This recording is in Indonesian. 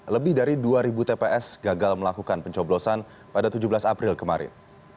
lebih dari dua ribu tps gagal melakukan pencoblosan pada tujuh belas april kemarin